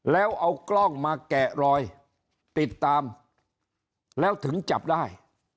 แล้วเอากล้องมาแกะรอยติดตามแล้วถึงจับได้